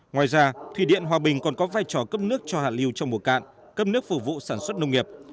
ngoài ra thủy điện hòa bình còn có vai trò cấp nước cho hạ lưu trong mùa cạn cấp nước phục vụ sản xuất nông nghiệp